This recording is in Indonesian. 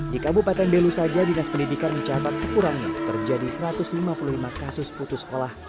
di kabupaten belu saja dinas pendidikan mencatat sekurangnya terjadi satu ratus lima puluh lima kasus putus sekolah